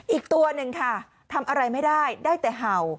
อีกตัวหนึ่งค่ะทำอะไรไม่ได้ได้แต่เห่า